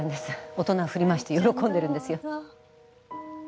大人を振り回して喜んでるんですよ。